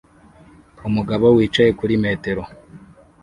Umugabo wicaye kuri metero